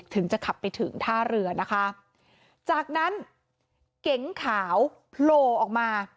ถึงจะขับไปถึงท่าเรือนะคะจากนั้นเก๋งขาวโผล่ออกมา